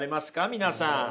皆さん。